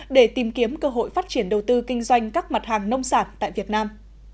để tìm kiếm cơ hội phát triển đầu tư kinh doanh các mặt hàng nông sản tại việt nam